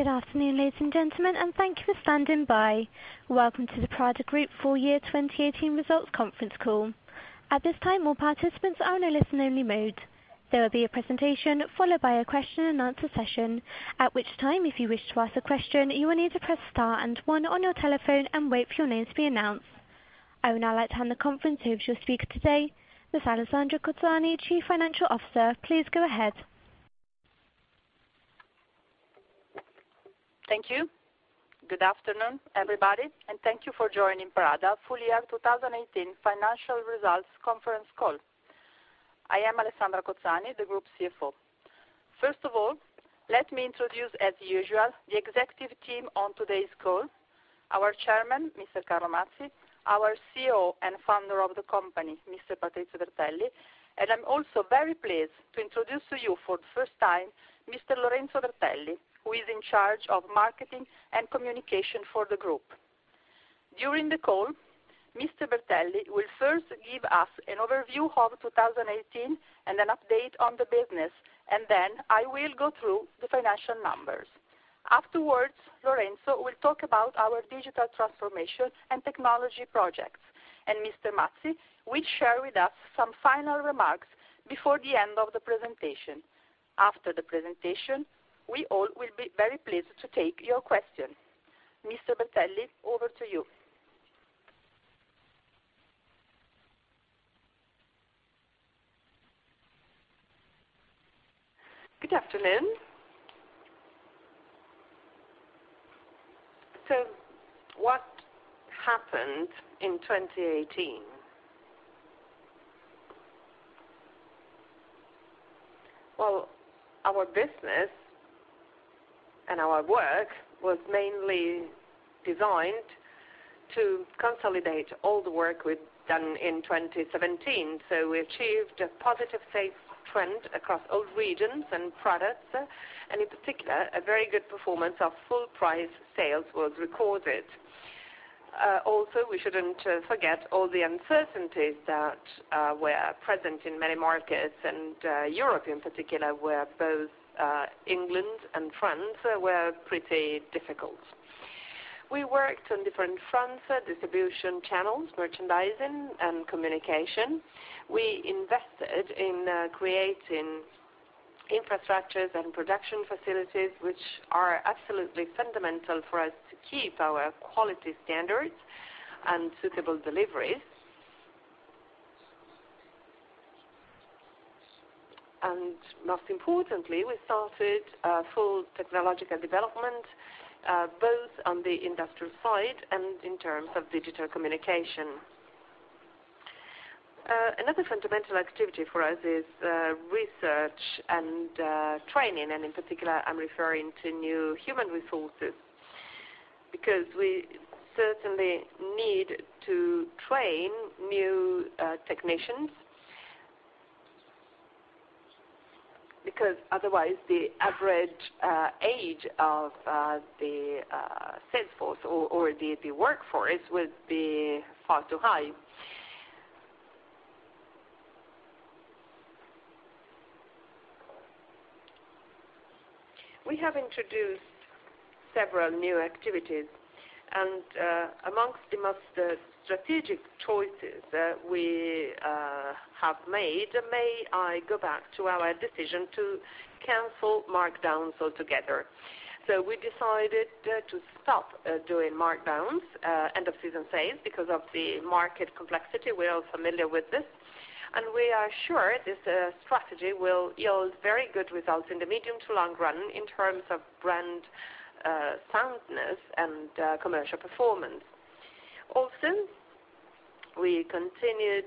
Good afternoon, ladies and gentlemen, and thank you for standing by. Welcome to the Prada Group full year 2018 results conference call. At this time, all participants are in a listen only mode. There will be a presentation followed by a question and answer session, at which time, if you wish to ask a question, you will need to press star and one on your telephone and wait for your name to be announced. I would now like to hand the conference over to your speaker today, Ms. Alessandra Cozzani, Chief Financial Officer. Please go ahead. Thank you. Good afternoon, everybody, and thank you for joining Prada full year 2018 financial results conference call. I am Alessandra Cozzani, the group CFO. First of all, let me introduce, as usual, the executive team on today's call, our Chairman, Mr. Carlo Mazzi, our CEO and founder of the company, Mr. Patrizio Bertelli. I am also very pleased to introduce to you for the first time, Mr. Lorenzo Bertelli, who is in charge of marketing and communication for the group. During the call, Mr. Bertelli will first give us an overview of 2018 and an update on the business. Then I will go through the financial numbers. Afterwards, Lorenzo will talk about our digital transformation and technology projects. Mr. Mazzi will share with us some final remarks before the end of the presentation. After the presentation, we all will be very pleased to take your questions. Mr. Bertelli, over to you. Good afternoon. What happened in 2018? Well, our business and our work was mainly designed to consolidate all the work we've done in 2017. We achieved a positive safe trend across all regions and products. In particular, a very good performance of full price sales was recorded. We shouldn't forget all the uncertainties that were present in many markets and Europe in particular, where both England and France were pretty difficult. We worked on different fronts, distribution channels, merchandising, and communication. We invested in creating infrastructures and production facilities, which are absolutely fundamental for us to keep our quality standards and suitable deliveries. Most importantly, we started a full technological development, both on the industrial side and in terms of digital communication. Another fundamental activity for us is research and training, and in particular, I'm referring to new human resources, because we certainly need to train new technicians, because otherwise, the average age of the sales force or the workforce would be far too high. We have introduced several new activities, amongst the most strategic choices that we have made, may I go back to our decision to cancel markdowns altogether. We decided to stop doing markdowns, end of season sales, because of the market complexity. We're all familiar with this. We are sure this strategy will yield very good results in the medium to long run in terms of brand soundness and commercial performance. Also, we continued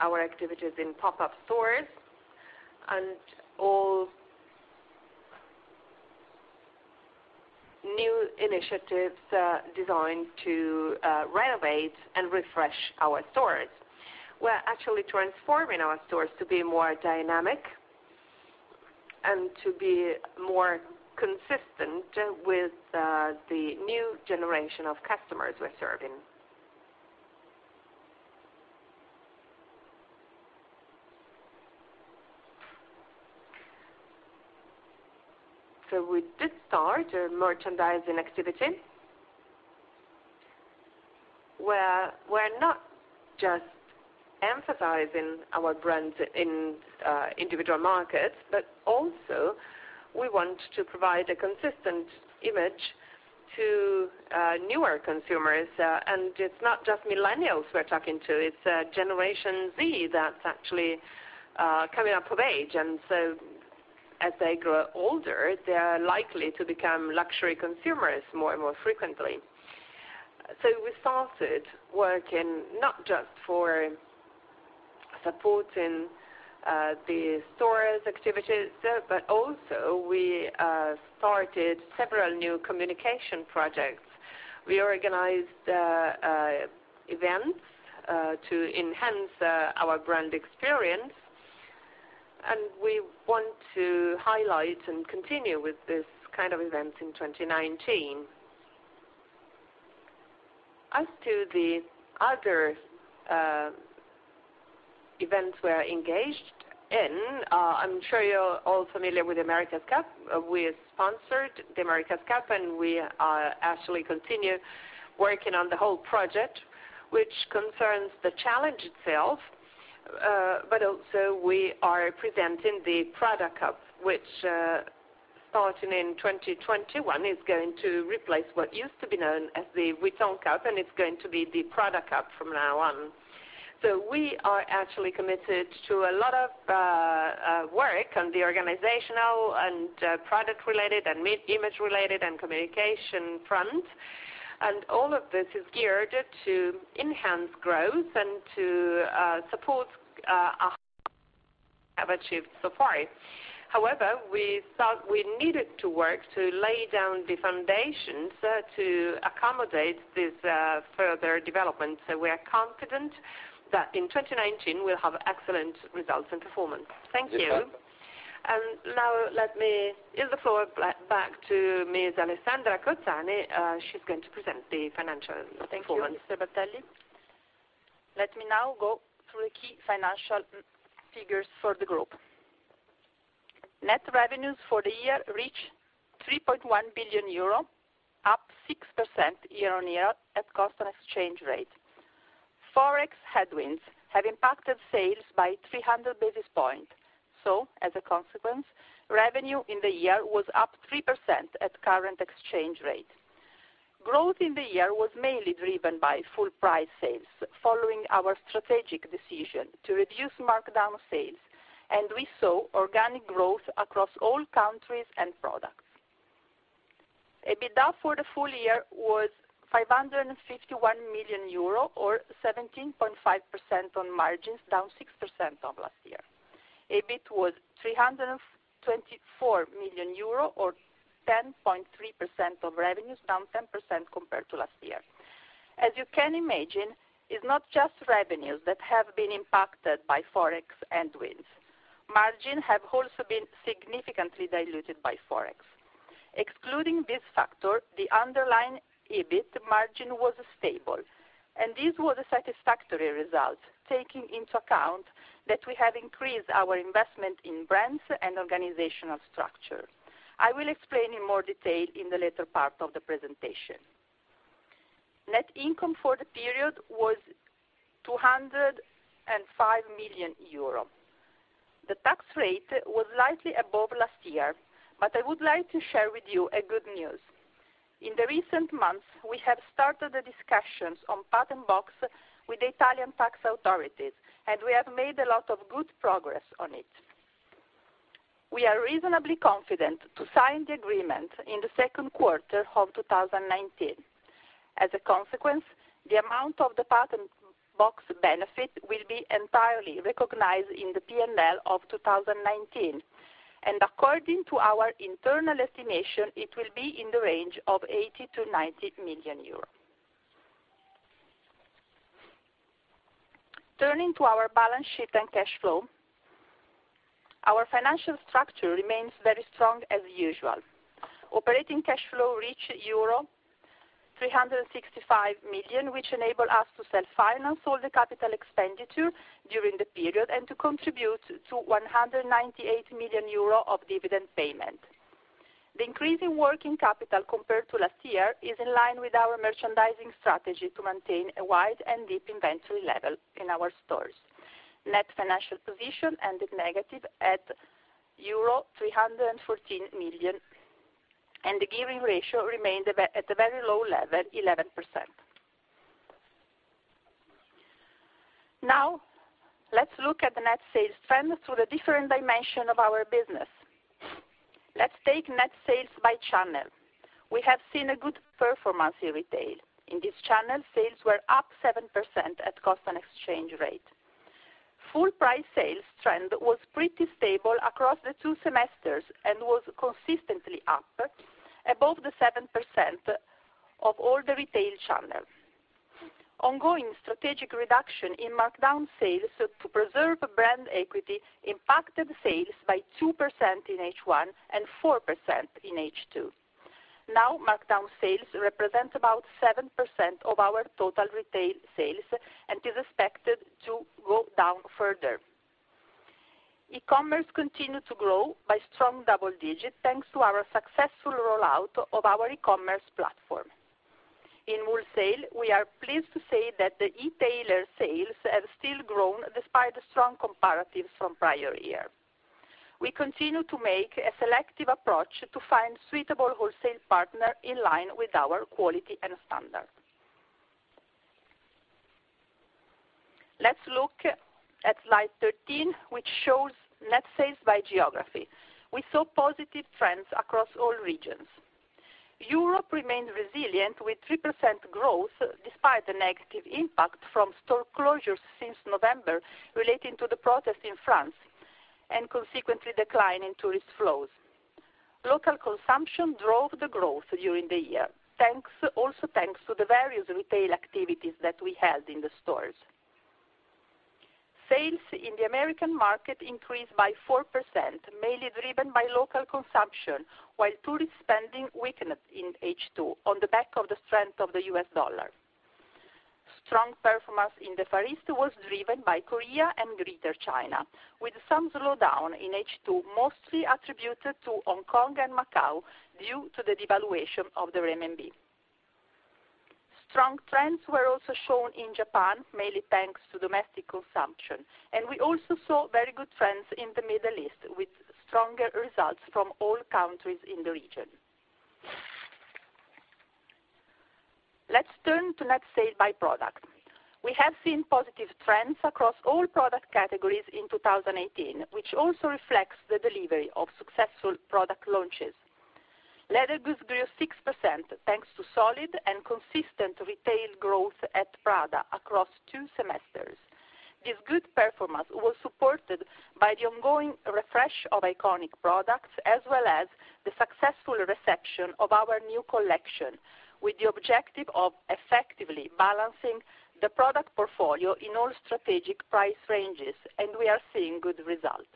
our activities in pop-up stores and all new initiatives designed to renovate and refresh our stores. We're actually transforming our stores to be more dynamic and to be more consistent with the new generation of customers we're serving. We did start a merchandising activity, where we're not just emphasizing our brands in individual markets, but also we want to provide a consistent image to newer consumers. It's not just millennials we're talking to, it's Generation Z that's actually coming up of age, as they grow older, they're likely to become luxury consumers more and more frequently. We started working not just for supporting the stores activities, but also we started several new communication projects. We organized events to enhance our brand experience, we want to highlight and continue with this kind of events in 2019. As to the other events we are engaged in, I'm sure you're all familiar with America's Cup. We sponsored the America's Cup, we are actually continue working on the whole project, which concerns the challenge itself. Also, we are presenting the Prada Cup, which, starting in 2021, is going to replace what used to be known as the Louis Vuitton Cup, and it's going to be the Prada Cup from now on. We are actually committed to a lot of work on the organizational and product related and mid-image related and communication front. All of this is geared to enhance growth and to support have achieved so far. However, we thought we needed to work to lay down the foundations to accommodate this further development. We are confident that in 2019, we'll have excellent results and performance. Thank you. Yes. Now let me give the floor back to Ms. Alessandra Cozzani. She's going to present the financial performance. Thank you, Mr. Bertelli. Go through the key financial figures for the group. Net revenues for the year reached 3.1 billion euro, up 6% year-on-year at constant exchange rate. Forex headwinds have impacted sales by 300 basis points. As a consequence, revenue in the year was up 3% at current exchange rate. Growth in the year was mainly driven by full price sales following our strategic decision to reduce markdown sales. We saw organic growth across all countries and products. EBITDA for the full year was 551 million euro or 17.5% on margins, down 6% from last year. EBIT was 324 million euro or 10.3% of revenues, down 10% compared to last year. As you can imagine, it's not just revenues that have been impacted by Forex headwinds. Margins have also been significantly diluted by Forex. Excluding this factor, the underlying EBIT margin was stable. This was a satisfactory result, taking into account that we have increased our investment in brands and organizational structure. I will explain in more detail in the later part of the presentation. Net income for the period was 205 million euro. The tax rate was slightly above last year. I would like to share with you a good news. In the recent months, we have started the discussions on patent box with the Italian tax authorities. We have made a lot of good progress on it. We are reasonably confident to sign the agreement in the second quarter of 2019. As a consequence, the amount of the patent box benefit will be entirely recognized in the P&L of 2019. According to our internal estimation, it will be in the range of 80-90 million euros. Turning to our balance sheet and cash flow. Our financial structure remains very strong as usual. Operating cash flow reached euro 365 million, which enabled us to self-finance all the CapEx during the period and to contribute 198 million euro of dividend payment. The increase in working capital compared to last year is in line with our merchandising strategy to maintain a wide and deep inventory level in our stores. Net financial position ended negative at euro 314 million. The gearing ratio remained at a very low level, 11%. Let's look at the net sales trend through the different dimensions of our business. Let's take net sales by channel. We have seen a good performance in retail. In this channel, sales were up 7% at constant exchange rate. Full price sales trend was pretty stable across the two semesters and was consistently up above the 7% of all the retail channel. Ongoing strategic reduction in markdown sales to preserve brand equity impacted sales by 2% in H1 and 4% in H2. Markdown sales represents about 7% of our total retail sales and is expected to go down further. E-commerce continued to grow by strong double-digit, thanks to our successful rollout of our e-commerce platform. In wholesale, we are pleased to say that the e-tailer sales have still grown despite strong comparatives from prior year. We continue to make a selective approach to find suitable wholesale partners in line with our quality and standards. Let's look at slide 13, which shows net sales by geography. We saw positive trends across all regions. Europe remained resilient with 3% growth despite the negative impact from store closures since November relating to the protests in France and consequently decline in tourist flows. Local consumption drove the growth during the year, also thanks to the various retail activities that we held in the stores. Sales in the American market increased by 4%, mainly driven by local consumption, while tourist spending weakened in H2 on the back of the strength of the US dollar. Strong performance in the Far East was driven by Korea and Greater China, with some slowdown in H2, mostly attributed to Hong Kong and Macau due to the devaluation of the RMB. Strong trends were also shown in Japan, mainly thanks to domestic consumption, and we also saw very good trends in the Middle East, with stronger results from all countries in the region. Let's turn to net sales by product. We have seen positive trends across all product categories in 2018, which also reflects the delivery of successful product launches. Leather goods grew 6% thanks to solid and consistent retail growth at Prada across two semesters. This good performance was supported by the ongoing refresh of iconic products, as well as the successful reception of our new collection, with the objective of effectively balancing the product portfolio in all strategic price ranges. We are seeing good results.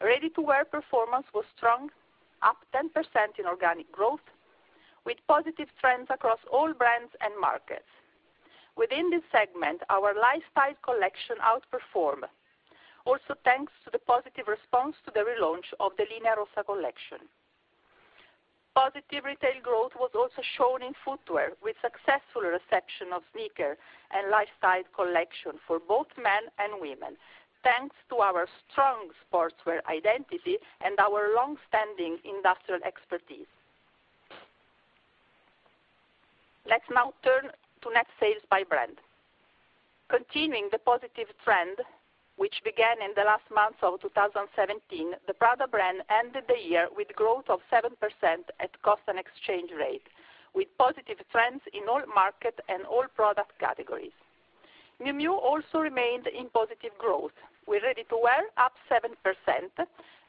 Ready-to-wear performance was strong, up 10% in organic growth, with positive trends across all brands and markets. Within this segment, our lifestyle collection outperformed, also thanks to the positive response to the relaunch of the Linea Rossa collection. Positive retail growth was also shown in footwear, with successful reception of sneakers and lifestyle collection for both men and women, thanks to our strong sportswear identity and our long-standing industrial expertise. Let's now turn to net sales by brand. Continuing the positive trend which began in the last months of 2017, the Prada brand ended the year with growth of 7% at cost and exchange rate, with positive trends in all markets and all product categories. Miu Miu also remained in positive growth, with ready-to-wear up 7%,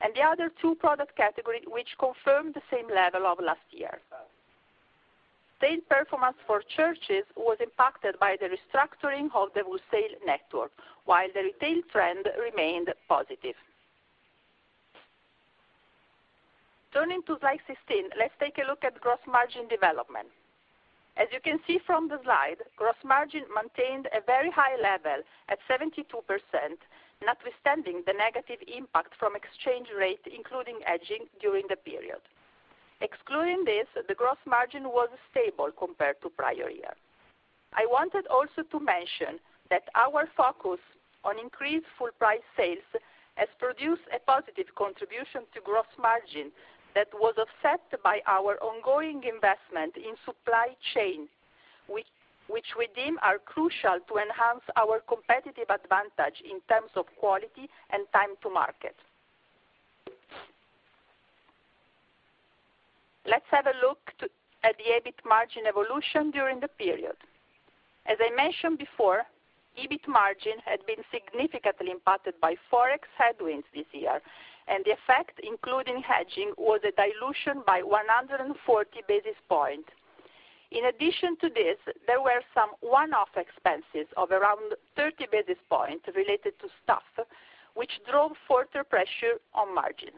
and the other two product categories which confirmed the same level of last year. Sales performance for Church's was impacted by the restructuring of the wholesale network, while the retail trend remained positive. Turning to slide 16, let's take a look at gross margin development. As you can see from the slide, gross margin maintained a very high level at 72%, notwithstanding the negative impact from exchange rate, including hedging during the period. Excluding this, the gross margin was stable compared to prior year. I wanted also to mention that our focus on increased full price sales has produced a positive contribution to gross margin that was offset by our ongoing investment in supply chain, which we deem are crucial to enhance our competitive advantage in terms of quality and time to market. Let's have a look at the EBIT margin evolution during the period. As I mentioned before, EBIT margin had been significantly impacted by Forex headwinds this year. The effect, including hedging, was a dilution by 140 basis points. In addition to this, there were some one-off expenses of around 30 basis points related to staff, which drove further pressure on margins.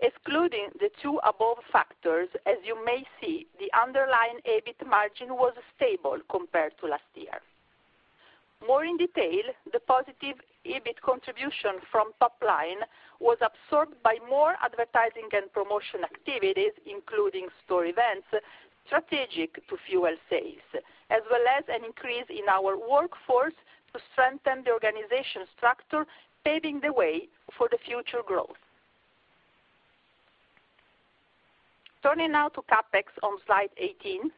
Excluding the two above factors, as you may see, the underlying EBIT margin was stable compared to last year. More in detail, the positive EBIT contribution from top line was absorbed by more advertising and promotion activities, including store events strategic to fuel sales, as well as an increase in our workforce to strengthen the organization structure, paving the way for the future growth. Turning now to CapEx on slide 18.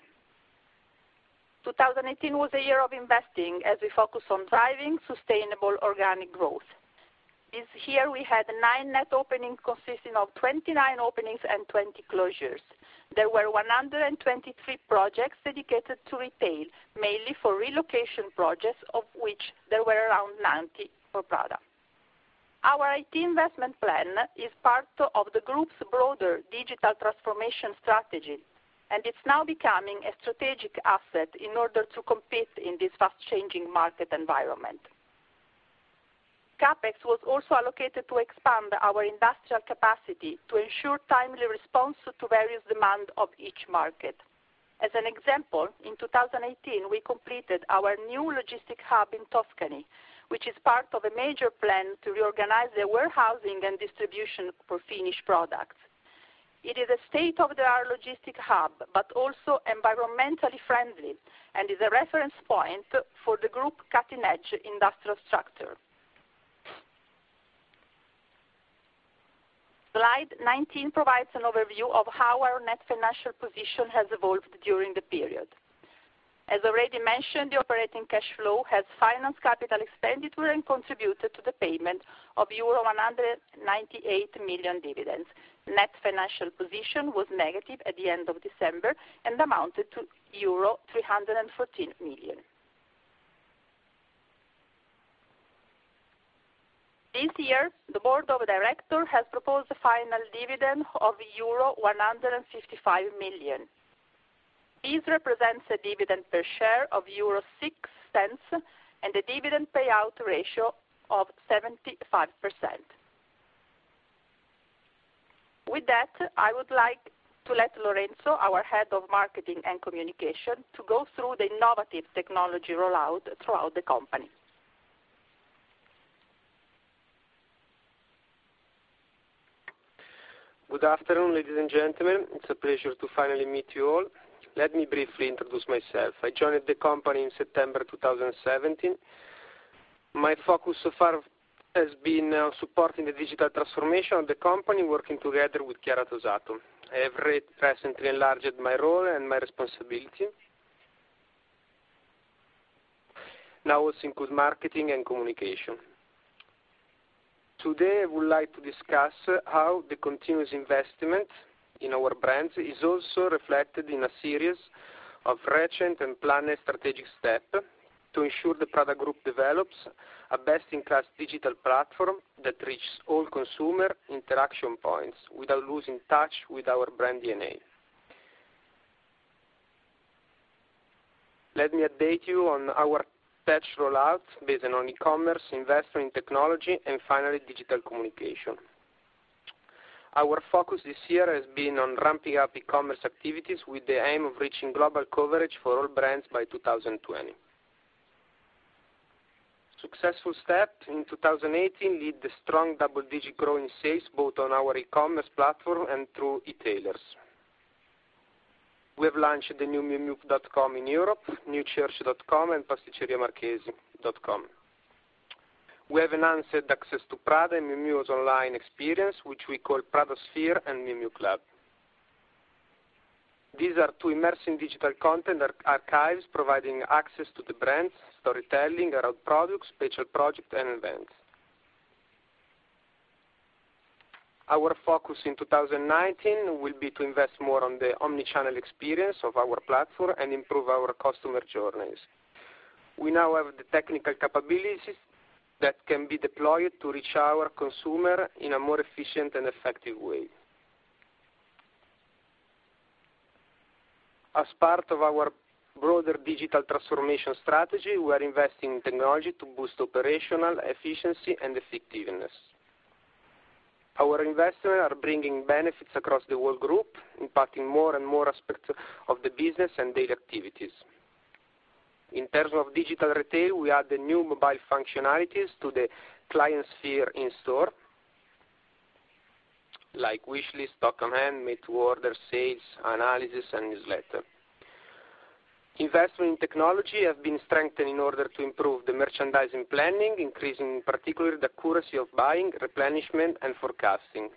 2018 was a year of investing as we focus on driving sustainable organic growth. This year, we had nine net openings consisting of 29 openings and 20 closures. There were 123 projects dedicated to retail, mainly for relocation projects, of which there were around 90 for Prada. Our IT investment plan is part of the Group's broader digital transformation strategy, and it's now becoming a strategic asset in order to compete in this fast-changing market environment. CapEx was also allocated to expand our industrial capacity to ensure timely response to various demand of each market. As an example, in 2018, we completed our new logistic hub in Tuscany, which is part of a major plan to reorganize the warehousing and distribution for finished products. It is a state-of-the-art logistic hub, but also environmentally friendly and is a reference point for the Group's cutting-edge industrial structure. Slide 19 provides an overview of how our net financial position has evolved during the period. As already mentioned, the operating cash flow has financed capital expenditure and contributed to the payment of euro 198 million dividends. Net financial position was negative at the end of December and amounted to euro 314 million. This year, the board of directors has proposed a final dividend of euro 155 million. This represents a dividend per share of 0.06 and a dividend payout ratio of 75%. With that, I would like to let Lorenzo, our Head of Marketing and Communication, to go through the innovative technology rollout throughout the company. Good afternoon, ladies and gentlemen. It's a pleasure to finally meet you all. Let me briefly introduce myself. I joined the company in September 2017. My focus so far has been on supporting the digital transformation of the company, working together with Chiara Tosato. I have recently enlarged my role and my responsibility. Now, it includes marketing and communication. Today, I would like to discuss how the continuous investment in our brands is also reflected in a series of recent and planned strategic step to ensure the Prada Group develops a best-in-class digital platform that reaches all consumer interaction points without losing touch with our brand DNA. Let me update you on our patch rollout based on e-commerce, investment in technology, and finally, digital communication. Our focus this year has been on ramping up e-commerce activities with the aim of reaching global coverage for all brands by 2020. Successful steps in 2018 lead the strong double-digit growth in sales, both on our e-commerce platform and through e-tailers. We have launched the new miumiu.com in Europe, church-footwear.com, and pasticceriamarchesi.com. We have enhanced access to Prada and Miu Miu's online experience, which we call Pradasphere and Miu Miu Club. These are two immersing digital content archives providing access to the brands, storytelling around products, special project, and events. Our focus in 2019 will be to invest more on the omni-channel experience of our platform and improve our customer journeys. We now have the technical capabilities that can be deployed to reach our consumer in a more efficient and effective way. As part of our broader digital transformation strategy, we are investing in technology to boost operational efficiency and effectiveness. Our investments are bringing benefits across the whole group, impacting more and aspects of the business and daily activities. In terms of digital retail, we add the new mobile functionalities to the Clientsphere in store, like wish list, stock on hand, made to order, sales analysis, and newsletter. Investment in technology have been strengthened in order to improve the merchandising planning, increasing particularly the accuracy of buying, replenishment, and forecasting.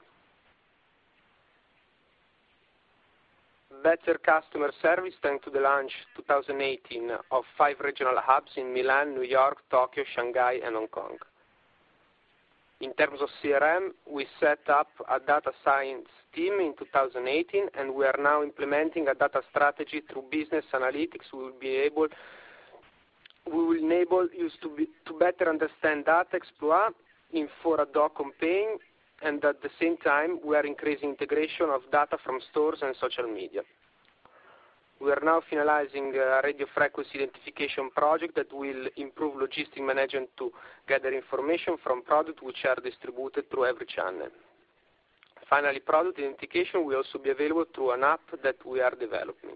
Better customer service, thanks to the launch 2018 of five regional hubs in Milan, New York, Tokyo, Shanghai, and Hong Kong. In terms of CRM, we set up a data science team in 2018, and we are now implementing a data strategy through business analytics. We will enable you to better understand data, explore data for ad-hoc campaign, and at the same time, we are increasing integration of data from stores and social media. We are now finalizing a radio frequency identification project that will improve logistic management to gather information from product which are distributed through every channel. Finally, product identification will also be available through an app that we are developing.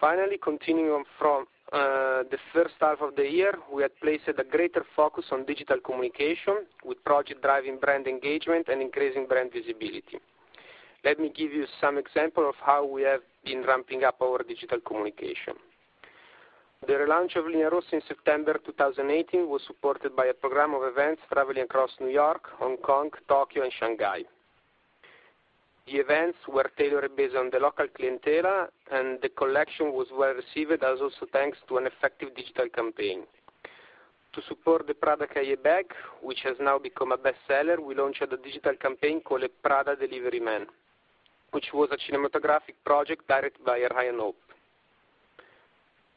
Finally, continuing from the first half of the year, we had placed a greater focus on digital communication with project driving brand engagement and increasing brand visibility. Let me give you some example of how we have been ramping up our digital communication. The relaunch of Linea Rossa in September 2018 was supported by a program of events traveling across New York, Hong Kong, Tokyo, and Shanghai. The events were tailored based on the local clientela, and the collection was well received as also thanks to an effective digital campaign. To support the Prada Cahier bag, which has now become a best seller, we launched a digital campaign called The Delivery Man, which was a cinematographic project directed by Ryan Hope.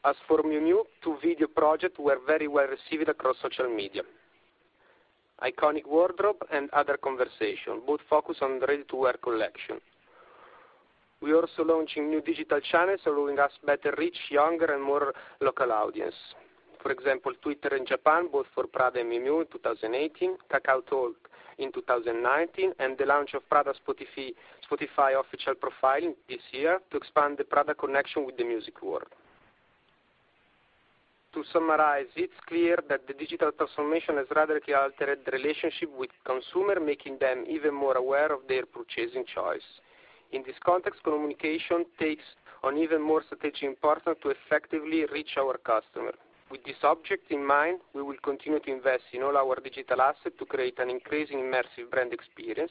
As for Miu Miu, two video project were very well received across social media. Iconic Wardrobe and Other Conversations, both focused on ready-to-wear collection. We also launching new digital channels, allowing us better reach younger and more local audience. For example, Twitter in Japan, both for Prada and Miu Miu in 2018, KakaoTalk in 2019, and the launch of Prada Spotify official profile this year to expand the Prada connection with the music world. To summarize, it's clear that the digital transformation has radically altered relationship with consumer, making them even more aware of their purchasing choice. In this context, communication takes on even more strategic importance to effectively reach our customer. With this object in mind, we will continue to invest in all our digital asset to create an increasing massive brand experience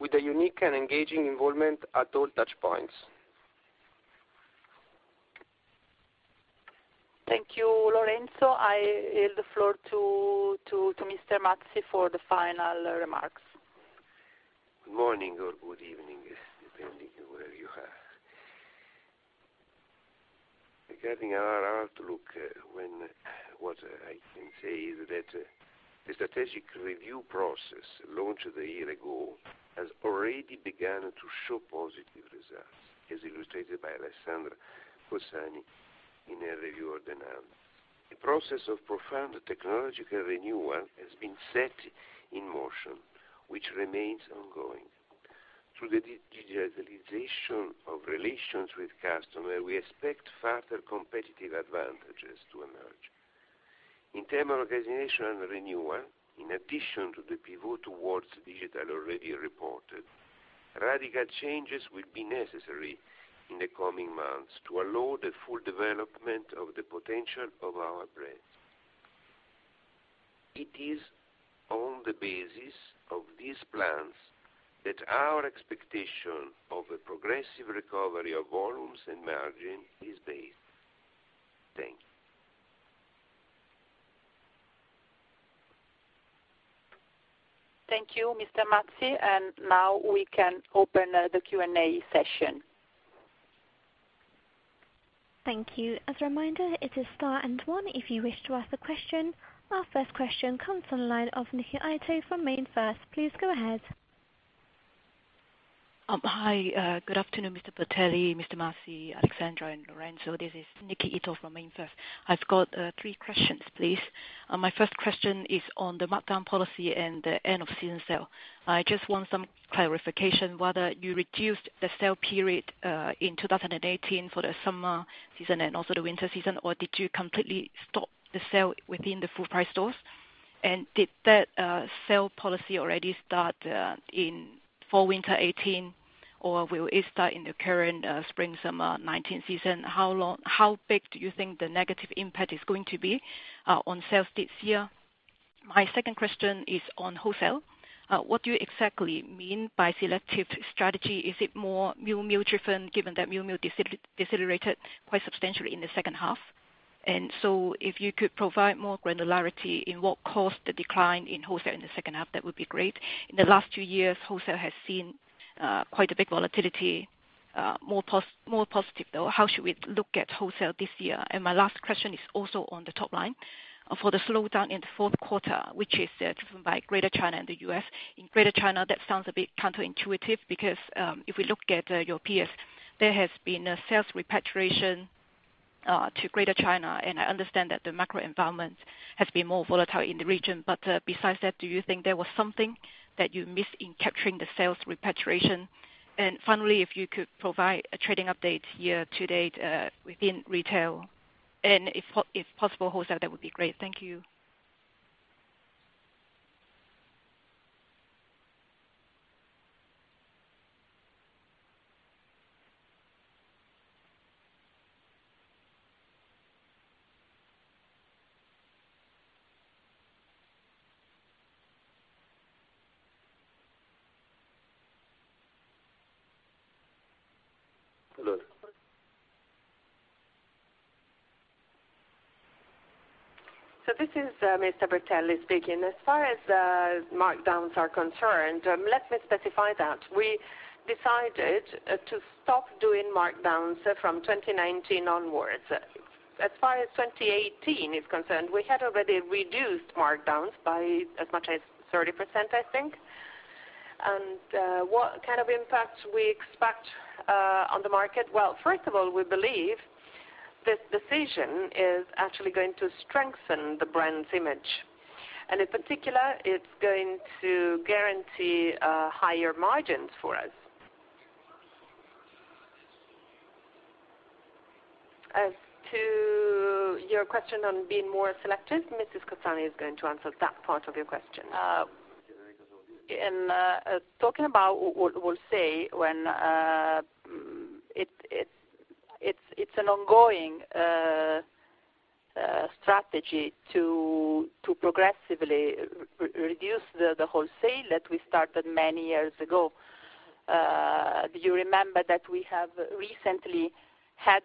with a unique and engaging involvement at all touchpoints. Thank you, Lorenzo. I yield the floor to Mr. Mazzi for the final remarks. Good morning or good evening. Regarding our outlook, what I can say is that the strategic review process launched a year ago has already begun to show positive results, as illustrated by Alessandra Cozzani in her review of the numbers. The process of profound technological renewal has been set in motion, which remains ongoing. Through the digitalization of relations with customers, we expect further competitive advantages to emerge. In terms of organization and renewal, in addition to the pivot towards digital already reported, radical changes will be necessary in the coming months to allow the full development of the potential of our brand. It is on the basis of these plans that our expectation of a progressive recovery of volumes and margin is based. Thank you. Thank you, Mr. Mazzi. Now we can open the Q&A session. Thank you. As a reminder, it is star and one if you wish to ask a question. Our first question comes on the line of Niki Ito from MainFirst. Please go ahead. Hi. Good afternoon, Mr. Bertelli, Mr. Mazzi, Alessandra, and Lorenzo. This is Niki Ito from MainFirst. I've got three questions, please. My first question is on the markdown policy and the end of season sale. I just want some clarification whether you reduced the sale period, in 2018 for the summer season and also the winter season, or did you completely stop the sale within the full price stores? Did that sale policy already start in fall/winter 2018, or will it start in the current spring/summer 2019 season? How big do you think the negative impact is going to be on sales this year? My second question is on wholesale. What do you exactly mean by selective strategy? Is it more Miu Miu driven, given that Miu Miu decelerated quite substantially in the second half? If you could provide more granularity in what caused the decline in wholesale in the second half, that would be great. In the last two years, wholesale has seen quite a bit volatility, more positive, though. How should we look at wholesale this year? My last question is also on the top line for the slowdown in the fourth quarter, which is driven by Greater China and the U.S. Greater China, that sounds a bit counterintuitive because, if we look at your peers, there has been a sales repatriation to Greater China, and I understand that the macro environment has been more volatile in the region. Besides that, do you think there was something that you missed in capturing the sales repatriation? Finally, if you could provide a trading update year-to-date, within retail, and if possible, wholesale, that would be great. Thank you. Hello. This is Mr. Bertelli speaking. As far as markdowns are concerned, let me specify that we decided to stop doing markdowns from 2019 onwards. As far as 2018 is concerned, we had already reduced markdowns by as much as 30%, I think. What kind of impact we expect on the market? Well, first of all, we believe this decision is actually going to strengthen the brand's image. In particular, it's going to guarantee higher margins for us. As to your question on being more selective, Mrs. Cozzani is going to answer that part of your question. In talking about wholesale, it's an ongoing strategy to progressively reduce the wholesale that we started many years ago. Do you remember that we have recently had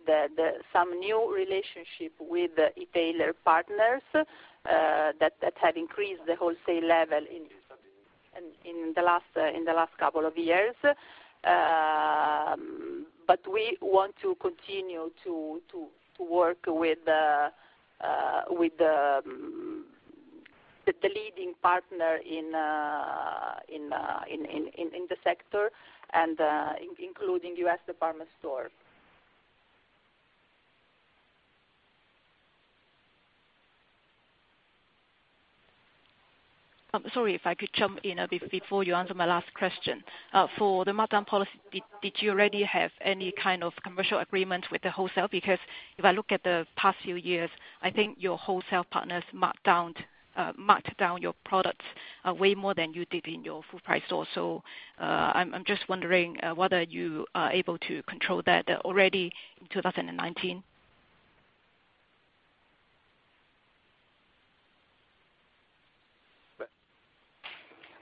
some new relationship with e-tailer partners, that had increased the wholesale level in the last couple of years. We want to continue to work with the leading partner in the sector and including U.S. department store. Sorry if I could jump in a bit before you answer my last question. For the markdown policy, did you already have any kind of commercial agreement with the wholesale? If I look at the past few years, I think your wholesale partners marked down your products way more than you did in your full price store. I'm just wondering whether you are able to control that already in 2019.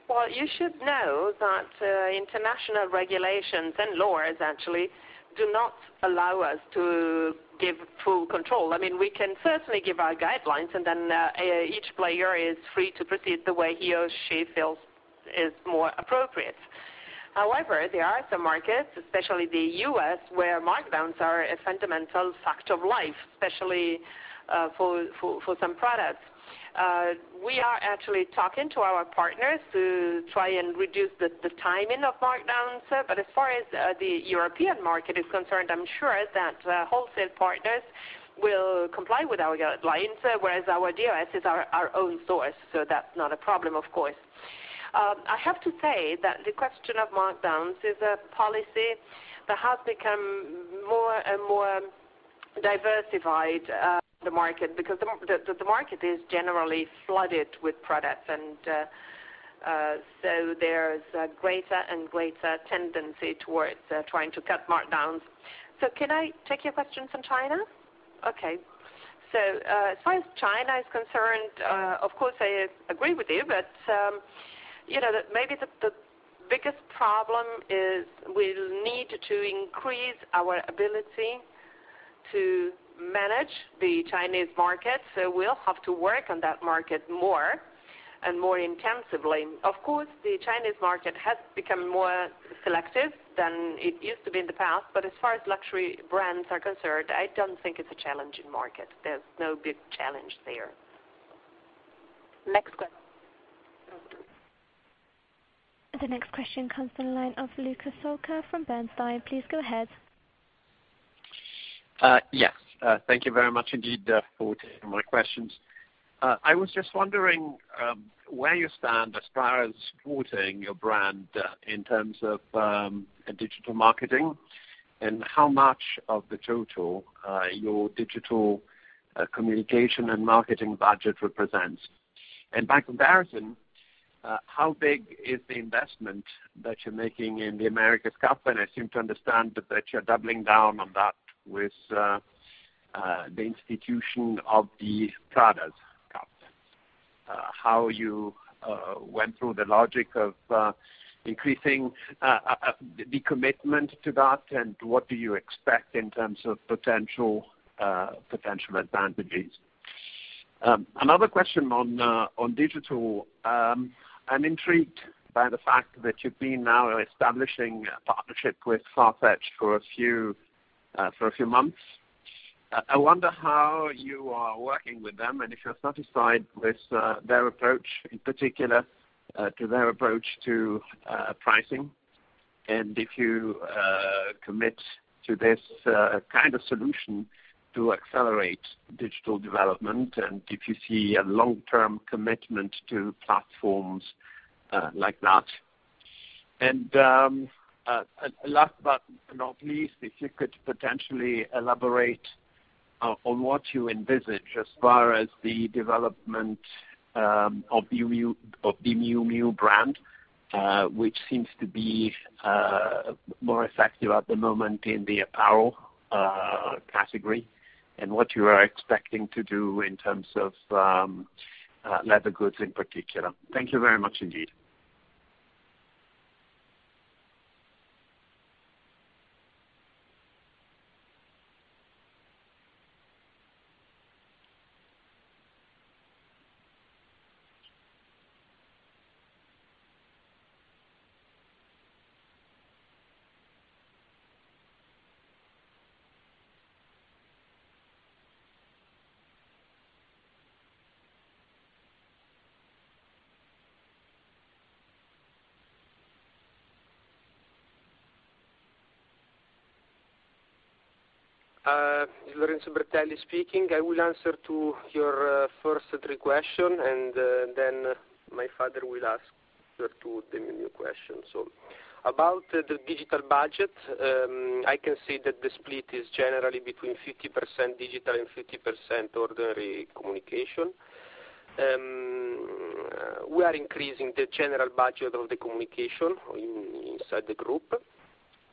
Well, you should know that international regulations and laws actually do not allow us to give full control. We can certainly give our guidelines, and then each player is free to proceed the way he or she feels is more appropriate. However, there are some markets, especially the U.S., where markdowns are a fundamental fact of life, especially for some products. We are actually talking to our partners to try and reduce the timing of markdowns. As far as the European market is concerned, I'm sure that wholesale partners will comply with our guidelines, whereas our DOS is our own source, that's not a problem of course. I have to say that the question of markdowns is a policy that has become more and more diversified in the market, because the market is generally flooded with products, there's a greater and greater tendency towards trying to cut markdowns. Can I take your questions on China? Okay. As far as China is concerned, of course I agree with you, maybe the biggest problem is we need to increase our ability to manage the Chinese market. We'll have to work on that market more and more intensively. Of course, the Chinese market has become more selective than it used to be in the past. As far as luxury brands are concerned, I don't think it's a challenging market. There's no big challenge there. Next question. The next question comes to the line of Luca Solca from Bernstein. Please go ahead. Yes. Thank you very much indeed for taking my questions. I was just wondering, where you stand as far as supporting your brand in terms of digital marketing, how much of the total your digital communication and marketing budget represents. By comparison, how big is the investment that you're making in the America's Cup? I seem to understand that you're doubling down on that with the institution of the Prada Cup. How you went through the logic of increasing the commitment to that, what do you expect in terms of potential advantages? Another question on digital. I'm intrigued by the fact that you've been now establishing a partnership with Farfetch for a few months. I wonder how you are working with them if you're satisfied with their approach, in particular to their approach to pricing, if you commit to this kind of solution to accelerate digital development, if you see a long-term commitment to platforms like that. Last but not least, if you could potentially elaborate on what you envisage as far as the development of the Miu Miu brand which seems to be more effective at the moment in the apparel category, what you are expecting to do in terms of leather goods in particular. Thank you very much indeed. Lorenzo Bertelli speaking. I will answer to your first three questions, and then my father will answer to the Miu Miu question. About the digital budget, I can say that the split is generally between 50% digital and 50% ordinary communication. We are increasing the general budget of the communication inside the group,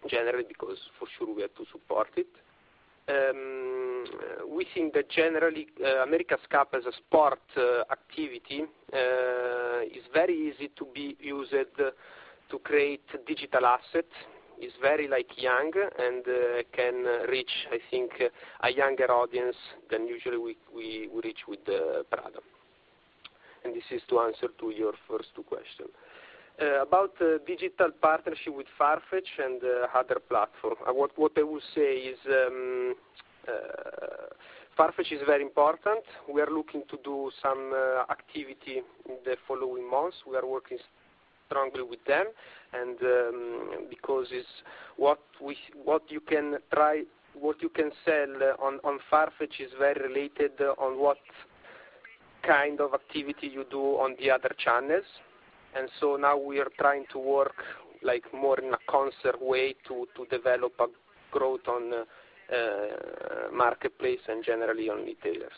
generally because for sure we have to support it. We think that generally, America's Cup as a sport activity, is very easy to be used to create digital assets, is very young and can reach, I think, a younger audience than usually we reach with Prada. This is to answer to your first two questions. About digital partnership with Farfetch and other platforms. Farfetch is very important. We are looking to do some activity in the following months. We are working strongly with them, and because what you can sell on Farfetch is very related on what kind of activity you do on the other channels. Now we are trying to work more in a concert way to develop a growth on the marketplace and generally on retailers.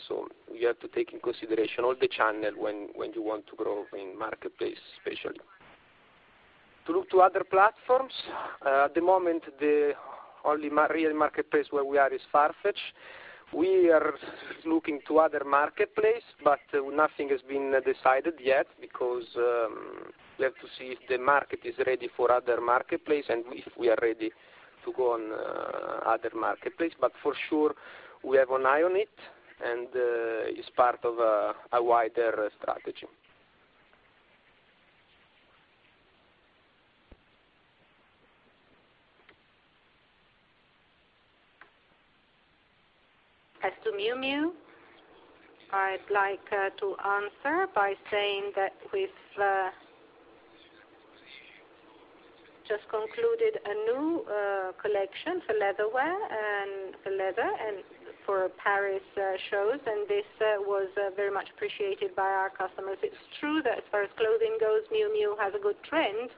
We have to take in consideration all the channels when you want to grow in marketplace, especially. To look to other platforms, at the moment, the only real marketplace where we are is Farfetch. We are looking to other marketplaces, but nothing has been decided yet because we have to see if the market is ready for other marketplaces and if we are ready to go on other marketplaces. For sure, we have an eye on it, and it's part of a wider strategy. As to Miu Miu, I'd like to answer by saying that we've just concluded a new collection for leather wear and for leather and for Paris shows, and this was very much appreciated by our customers. It's true that as far as clothing goes, Miu Miu has a good trend,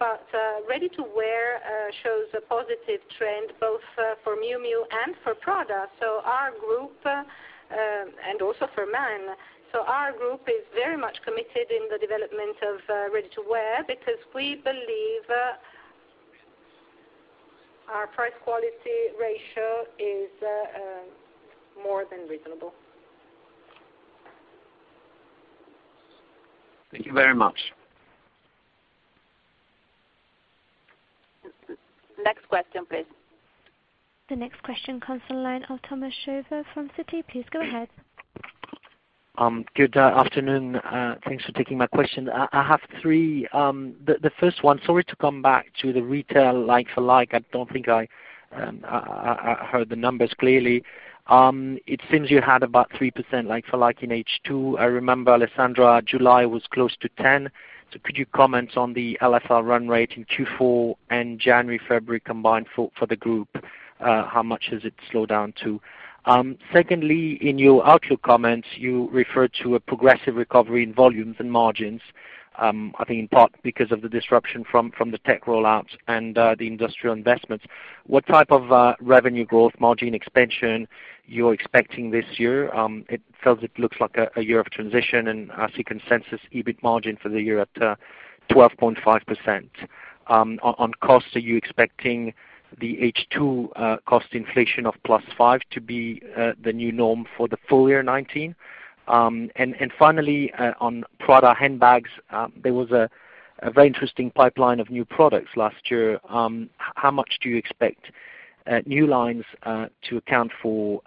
but ready-to-wear shows a positive trend both for Miu Miu and for Prada, and also for men. Our group is very much committed in the development of ready-to-wear because we believe our price quality ratio is more than reasonable. Thank you very much. Next question, please. The next question comes from the line of Thomas Chauvet from Citi. Please go ahead. Good afternoon. Thanks for taking my question. I have three. The first one, sorry to come back to the retail like-for-like. I don't think I heard the numbers clearly. It seems you had about 3% like-for-like in H2. I remember, Alessandra, July was close to 10. Could you comment on the LFL run rate in Q4 and January, February combined for the group? How much has it slowed down to? Secondly, in your outlook comments, you referred to a progressive recovery in volumes and margins, I think in part because of the disruption from the tech rollouts and the industrial investments. What type of revenue growth margin expansion you're expecting this year? It feels it looks like a year of transition, I see consensus EBIT margin for the year at 12.5%. On cost, are you expecting the H2 cost inflation of plus 5% to be the new norm for the full year 2019? Finally, on Prada handbags, there was a very interesting pipeline of new products last year. How much do you expect new lines to account for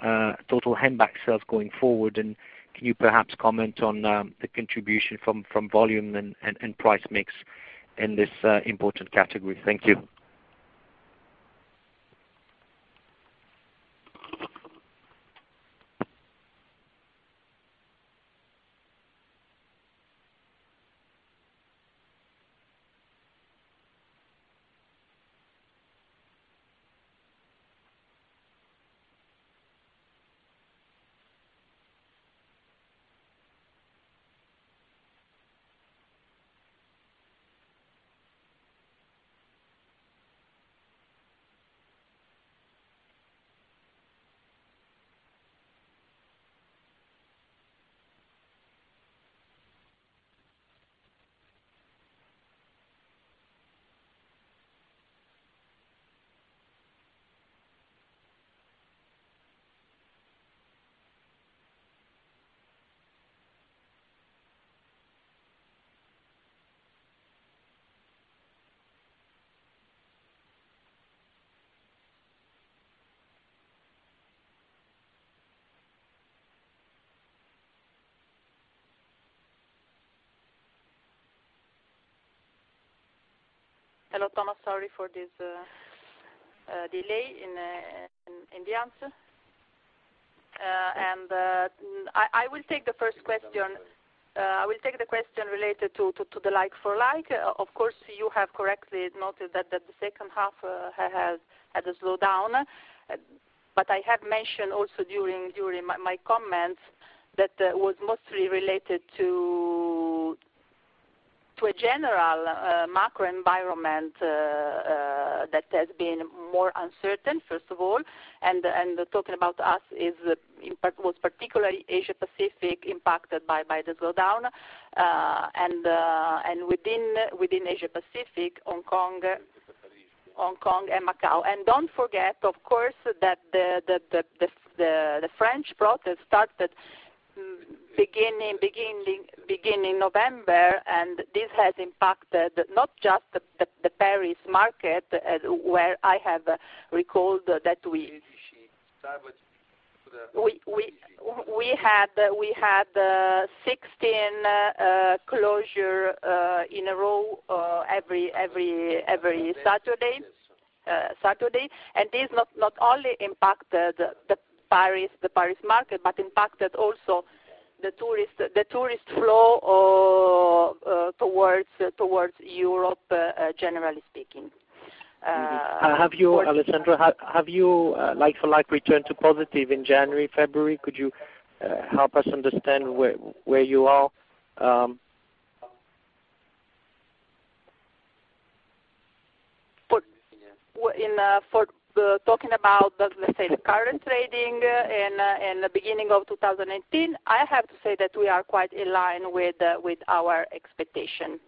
total handbag sales going forward? Can you perhaps comment on the contribution from volume and price mix in this important category? Thank you. Hello, Thomas. Sorry for this delay in the answer. I will take the first question. I will take the question related to the LFL. Of course, you have correctly noted that the second half had a slowdown. I have mentioned also during my comments that was mostly related to a general macro environment that has been more uncertain, first of all, and talking about us, was particularly Asia-Pacific impacted by the slowdown. Within Asia-Pacific, Hong Kong and Macau. Don't forget, of course, that the French protest started beginning November, and this has impacted not just the Paris market, where I have recalled that we had 16 closures in a row every Saturday. This not only impacted the Paris market, but impacted also the tourist flow towards Europe, generally speaking. Alessandra, have you LFL returned to positive in January, February? Could you help us understand where you are? For talking about, let's say, the current trading in the beginning of 2019, I have to say that we are quite in line with our expectation.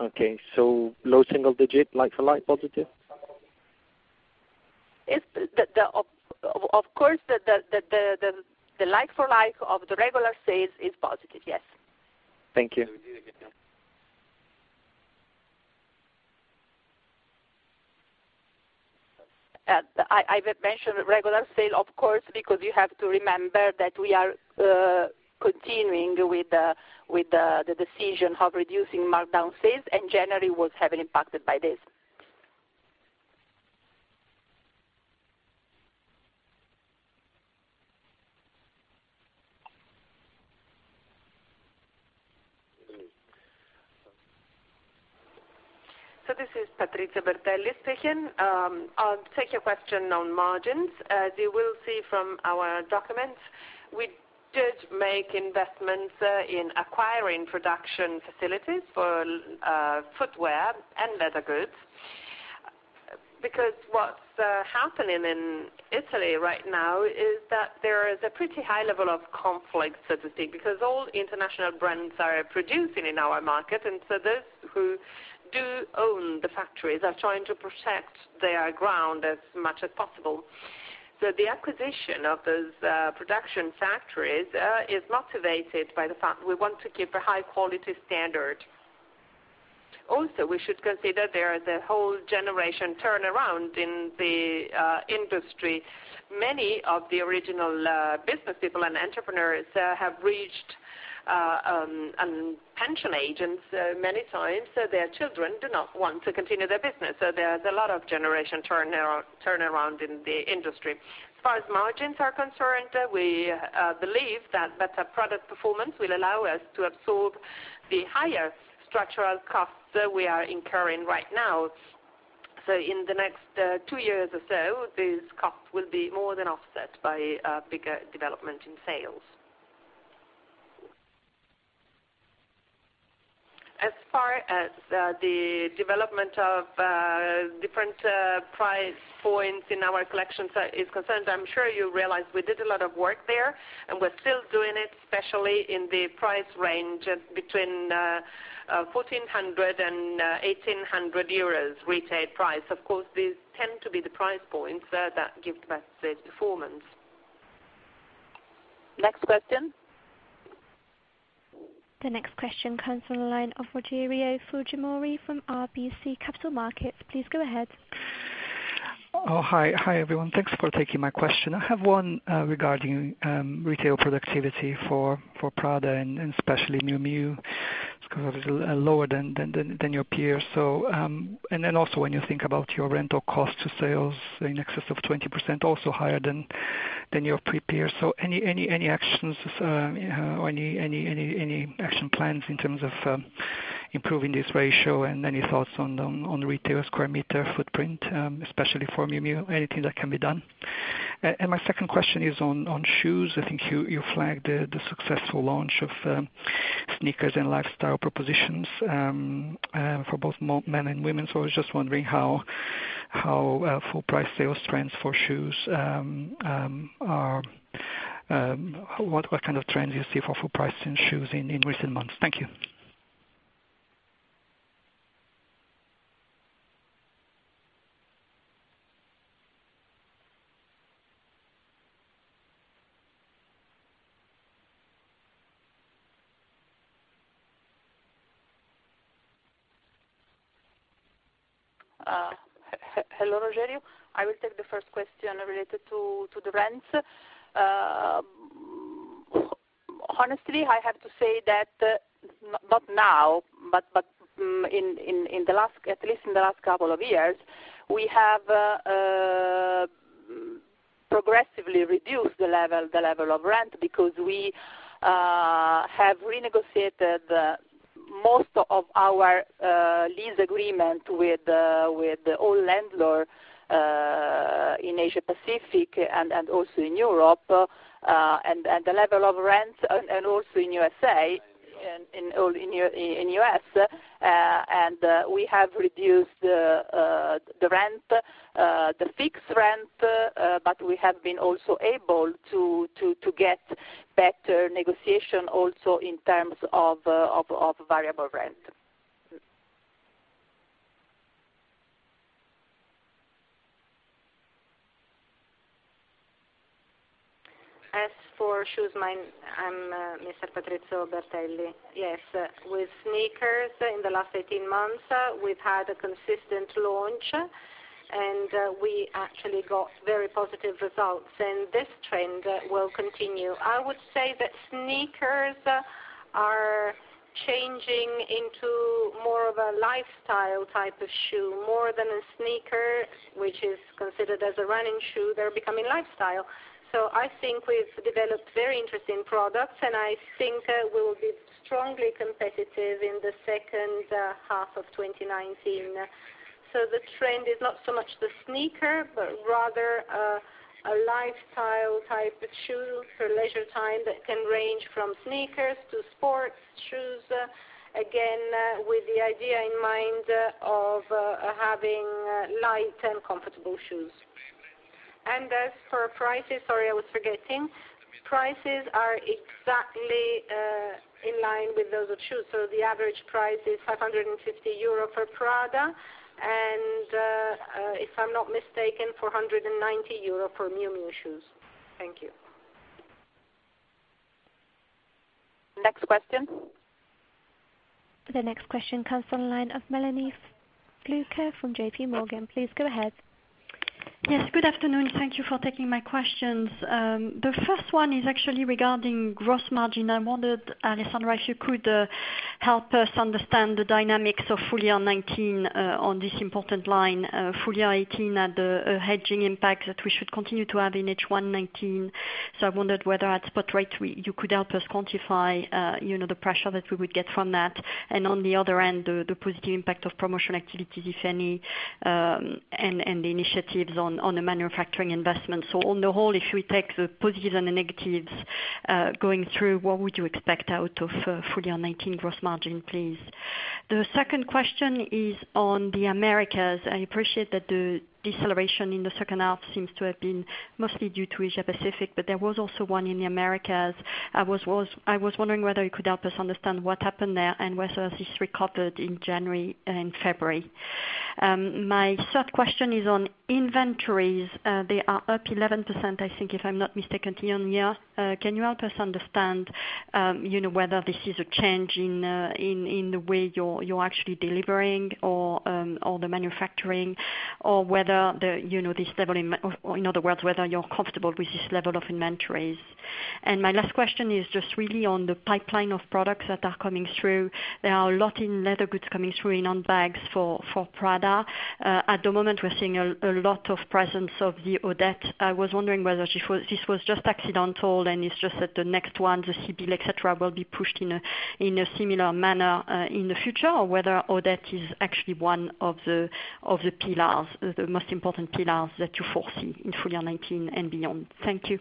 Okay. Low single digit LFL positive? Of course, the like-for-like of the regular sales is positive, yes. Thank you. I mentioned regular sale, of course, because you have to remember that we are continuing with the decision of reducing markdown sales, and January was heavily impacted by this. This is Patrizio Bertelli speaking. I'll take your question on margins. As you will see from our documents, we did make investments in acquiring production facilities for footwear and leather goods. What's happening in Italy right now is that there is a pretty high level of conflict, so to speak, because all international brands are producing in our market. Those who do own the factories are trying to protect their ground as much as possible. The acquisition of those production factories is motivated by the fact we want to keep a high quality standard. Also, we should consider there is a whole generation turnaround in the industry. Many of the original businesspeople and entrepreneurs have reached pension age, and so many times, their children do not want to continue their business. There's a lot of generation turnaround in the industry. As far as margins are concerned, we believe that better product performance will allow us to absorb the higher structural costs that we are incurring right now. In the next two years or so, these costs will be more than offset by a bigger development in sales. As far as the development of different price points in our collections is concerned, I'm sure you realize we did a lot of work there, and we're still doing it, especially in the price range between 1,400 and 1,800 euros retail price. Of course, these tend to be the price points that give the best performance. Next question? The next question comes from the line of Rogerio Fujimori from RBC Capital Markets. Please go ahead. Oh, hi, everyone. Thanks for taking my question. I have one regarding retail productivity for Prada and especially Miu Miu. It's kind of lower than your peers. Also, when you think about your rental cost to sales in excess of 20%, also higher than your peers. Any action plans in terms of improving this ratio, and any thoughts on the retail square meter footprint, especially for Miu Miu? Anything that can be done? My second question is on shoes. I think you flagged the successful launch of sneakers and lifestyle propositions for both men and women. I was just wondering what kind of trends you see for full priced in shoes in recent months. Thank you. Hello, Rogerio. I will take the first question related to the rents. Honestly, I have to say that, not now, but at least in the last couple of years, we have progressively reduced the level of rent because we have renegotiated most of our lease agreement with the old landlord in Asia Pacific and also in Europe, and the level of rent, and also in U.S. We have reduced the fixed rent, but we have been also able to get better negotiation also in terms of variable rent. As for shoes, I'm Mr. Patrizio Bertelli. Yes. With sneakers, in the last 18 months, we've had a consistent launch, and we actually got very positive results, and this trend will continue. I would say that sneakers are changing into more of a lifestyle type of shoe. More than a sneaker, which is considered as a running shoe, they're becoming lifestyle. I think we've developed very interesting products, and I think we will be strongly competitive in the second half of 2019. The trend is not so much the sneaker, but rather a lifestyle type of shoe for leisure time that can range from sneakers to sports shoes. Again, with the idea in mind of having light and comfortable shoes. As for prices, sorry, I was forgetting. Prices are exactly in line with those of shoes. The average price is 550 euro for Prada, and, if I'm not mistaken, 490 euro for Miu Miu shoes. Thank you. Next question. The next question comes from the line of Melanie Fluke from J.P. Morgan. Please go ahead. Yes. Good afternoon. Thank you for taking my questions. The first one is actually regarding gross margin. I wondered, Alessandra, if you could help us understand the dynamics of full-year 2019 on this important line. Full-year 2018 had a hedging impact that we should continue to have in H1 2019. I wondered whether at spot rate, you could help us quantify the pressure that we would get from that, and on the other end, the positive impact of promotional activities, if any, and the initiatives on the manufacturing investment. On the whole, if we take the positives and the negatives going through, what would you expect out of full-year 2019 gross margin, please? The second question is on the Americas. I appreciate that the deceleration in the second half seems to have been mostly due to Asia Pacific, but there was also one in the Americas. I was wondering whether you could help us understand what happened there, and whether this recovered in January and February. My third question is on inventories. They are up 11%, I think, if I'm not mistaken. Can you help us understand whether this is a change in the way you're actually delivering or the manufacturing, or in other words, whether you're comfortable with this level of inventories. My last question is just really on the pipeline of products that are coming through. There are a lot in leather goods coming through, in on bags for Prada. At the moment, we're seeing a lot of presence of the Odette. I was wondering whether this was just accidental, and it's just that the next one, the Sibylle, et cetera, will be pushed in a similar manner, in the future, or whether Odette is actually one of the most important pillars that you foresee in full-year 2019 and beyond. Thank you.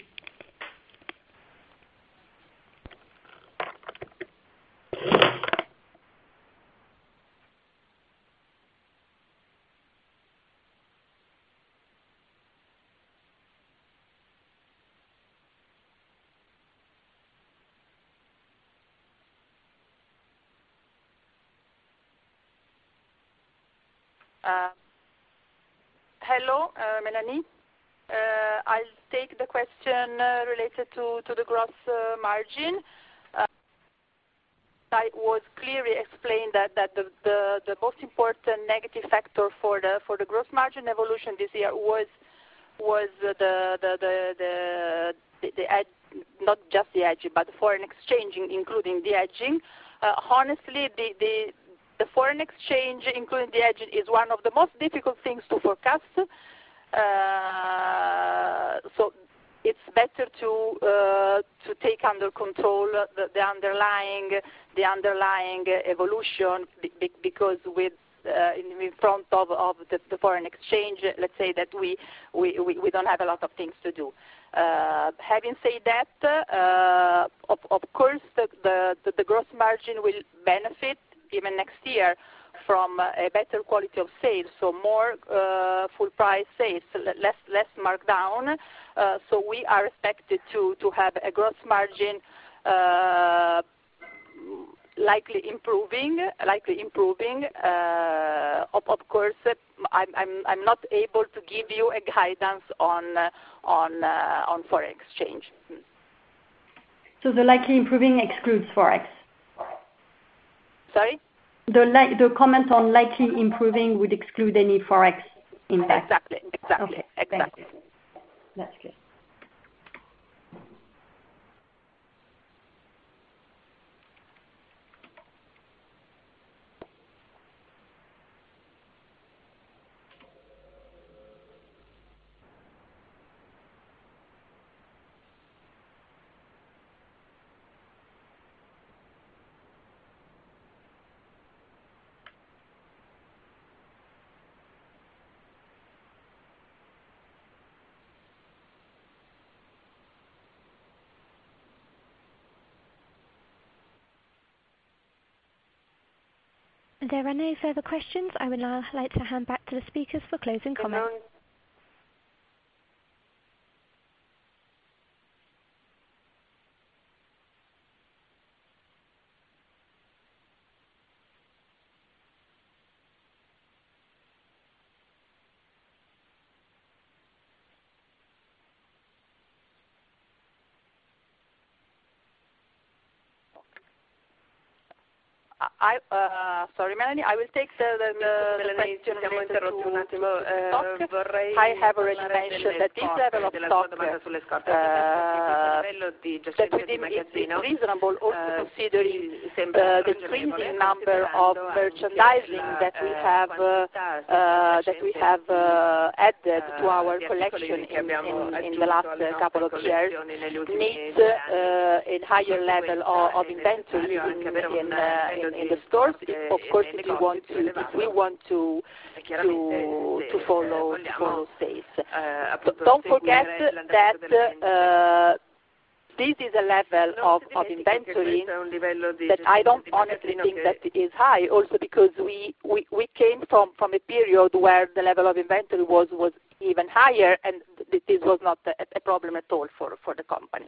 Hello, Melanie. I'll take the question, related to the gross margin. I would clearly explain that the most important negative factor for the gross margin evolution this year was not just the hedging, but foreign exchange including the hedging. Honestly, the foreign exchange, including the hedging, is one of the most difficult things to forecast. It's better to take under control the underlying evolution because in front of the foreign exchange, let's say that we don't have a lot of things to do. Having said that, of course, the gross margin will benefit even next year from a better quality of sales. More full price sales, less markdown. We are expected to have a gross margin, likely improving. Of course, I'm not able to give you a guidance on foreign exchange. The likely improving excludes Forex? Sorry? The comment on likely improving would exclude any Forex impact. Exactly. Okay, thank you. That's clear. There are no further questions. I would now like to hand back to the speakers for closing comments. Sorry, Melanie, I will take the question related to stock. I have already mentioned that this level of stock, that to me is reasonable, also considering the crazy number of merchandising that we have added to our collection in the last couple of years, needs a higher level of inventory in the stores. Of course, if we want to follow sales. Don't forget that this is a level of inventory that I don't honestly think that is high, also because we came from a period where the level of inventory was even higher, and this was not a problem at all for the company.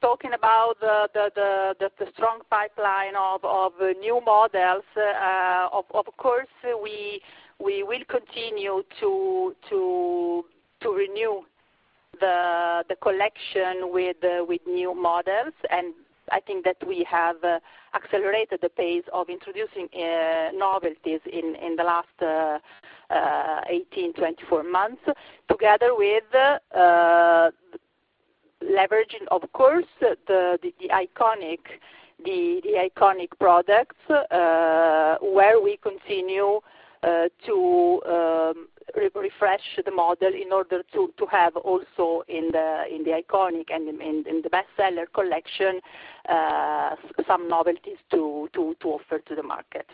Talking about the strong pipeline of new models, of course, we will continue to renew the collection with new models. I think that we have accelerated the pace of introducing novelties in the last 18, 24 months, together with leveraging, of course, the iconic products, where we continue to refresh the model in order to have also in the iconic and in the best seller collection, some novelties to offer to the market.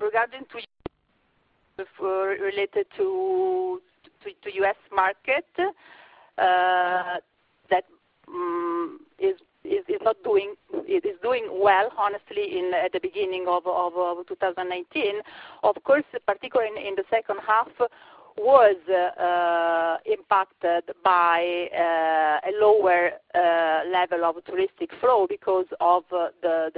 Regarding to related to U.S. market, that it is doing well, honestly, at the beginning of 2019, of course, particularly in the second half, was impacted by a lower level of touristic flow because of the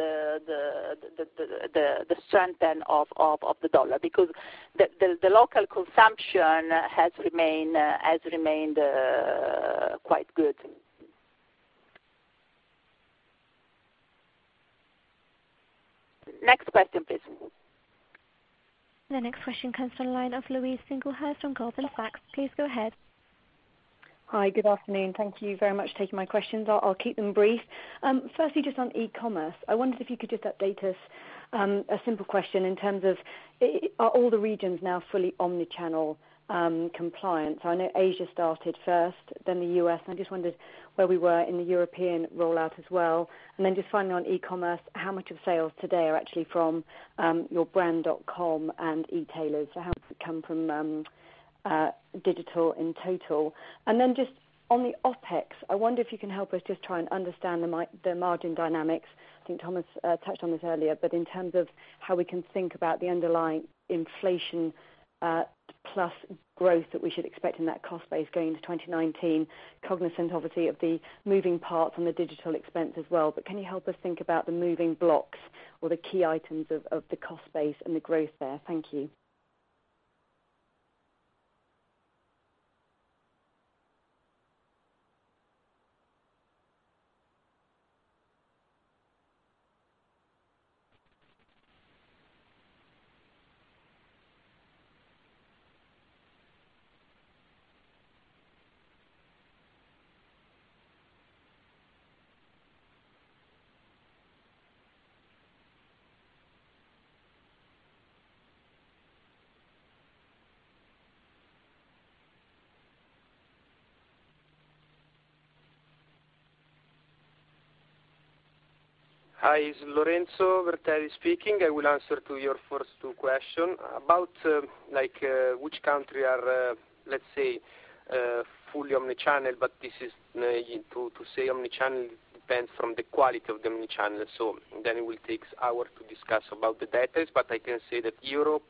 strength of the dollar, because the local consumption has remained quite good. Next question, please. The next question comes from the line of Louise Singlehurst from Goldman Sachs. Please go ahead. Hi. Good afternoon. Thank you very much for taking my questions. I'll keep them brief. Firstly, just on e-commerce, I wondered if you could just update us, a simple question in terms of, are all the regions now fully omni-channel compliant? I know Asia started first, then the U.S., I just wondered where we were in the European rollout as well. Finally on e-commerce, how much of sales today are actually from your brand.com and e-tailers? How does it come from digital in total? Then just on the OpEx, I wonder if you can help us just try and understand the margin dynamics. I think Thomas touched on this earlier, in terms of how we can think about the underlying inflation plus growth that we should expect in that cost base going into 2019, cognizant obviously of the moving parts and the digital expense as well. Can you help us think about the moving blocks or the key items of the cost base and the growth there? Thank you. Hi, it's Lorenzo Bertelli speaking. I will answer to your first two questions. Which country are, let's say, fully omni-channel, to say omni-channel depends from the quality of the omni-channel. It will take hours to discuss about the details, I can say that Europe,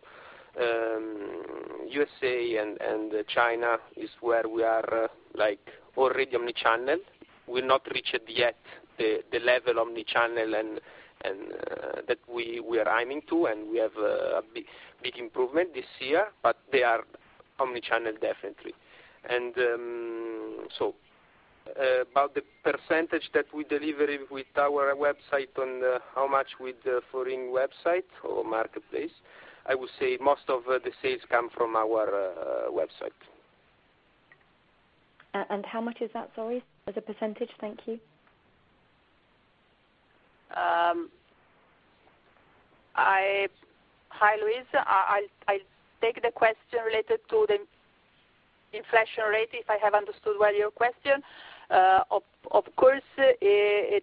U.S.A., and China is where we are already omni-channel. We've not reached yet the level omni-channel that we are aiming to, we have a big improvement this year, they are omni-channel definitely. About the percentage that we deliver with our website on how much with the foreign website or marketplace, I would say most of the sales come from our website. How much is that, sorry, as a %? Thank you. Hi, Louise. I'll take the question related to the inflation rate, if I have understood well your question. Of course, in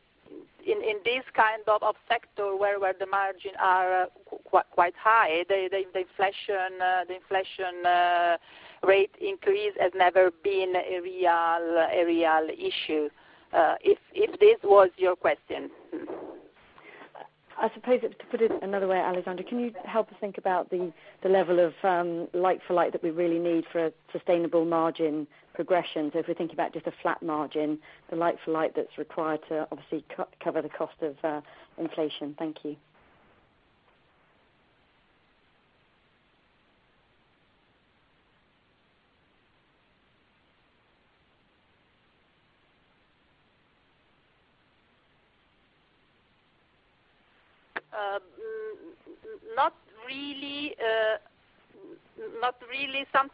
this kind of sector where the margin are quite high, the inflation rate increase has never been a real issue, if this was your question. I suppose to put it another way, Alessandra, can you help us think about the level of LFL that we really need for a sustainable margin progression? If we think about just a flat margin, the LFL that's required to obviously cover the cost of inflation. Thank you.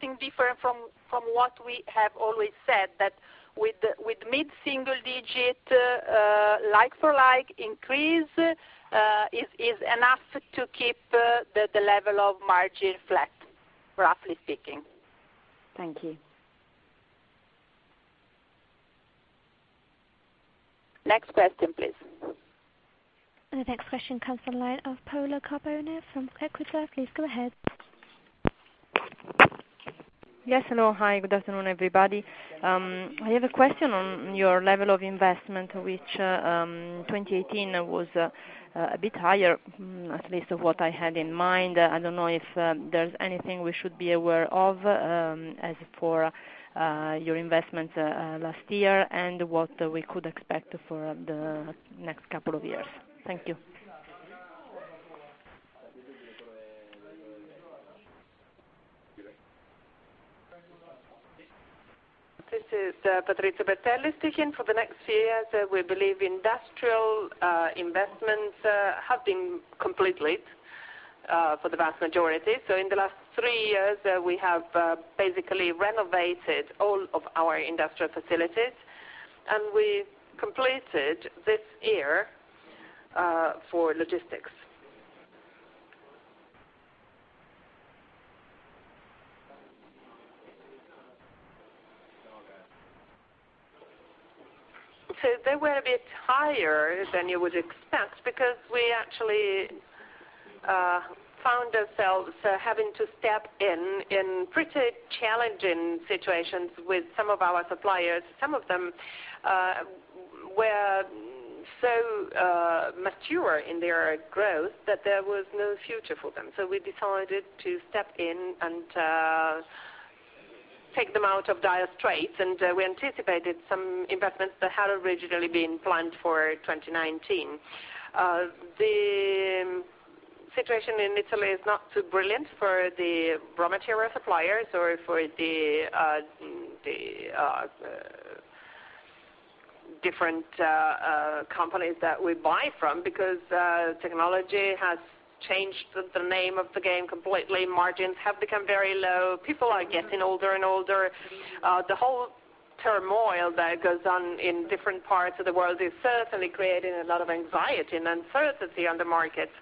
Not really something different from what we have always said, that with mid-single-digit like-for-like increase is enough to keep the level of margin flat, roughly speaking. Thank you. Next question, please. The next question comes on the line of Paola Carboni from Equita. Please go ahead. Yes. Hello. Hi. Good afternoon, everybody. I have a question on your level of investment, which 2018 was a bit higher, at least what I had in mind. I don't know if there's anything we should be aware of as for your investments last year and what we could expect for the next couple of years. Thank you. This is Patrizio Bertelli speaking. For the next years, we believe industrial investments have been complete for the vast majority. In the last three years, we have basically renovated all of our industrial facilities, and we completed this year for logistics. They were a bit higher than you would expect because we actually found ourselves having to step in in pretty challenging situations with some of our suppliers. Some of them were so mature in their growth that there was no future for them. We decided to step in and take them out of dire straits, and we anticipated some investments that had originally been planned for 2019. The situation in Italy is not too brilliant for the raw material suppliers or for the different companies that we buy from, because technology has changed the name of the game completely. Margins have become very low. People are getting older and older. The whole turmoil that goes on in different parts of the world is certainly creating a lot of anxiety and uncertainty on the markets,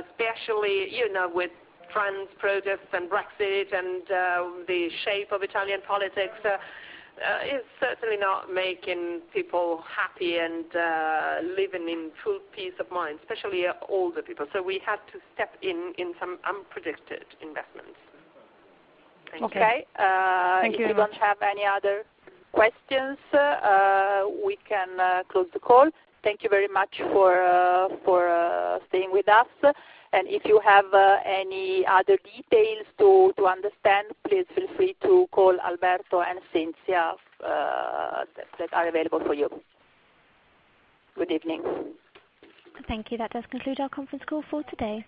especially with trade protests and Brexit and the shape of Italian politics. It's certainly not making people happy and living in full peace of mind, especially older people. We had to step in some unpredicted investments. Okay. Thank you. Okay. If we don't have any other questions, we can close the call. Thank you very much for staying with us. If you have any other details to understand, please feel free to call Alberto and Cinzia that are available for you. Good evening. Thank you. That does conclude our conference call for today.